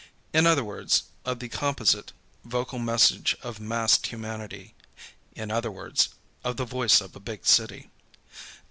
In other words, of the composite vocal message of massed humanity. In other words, of the Voice of a Big City.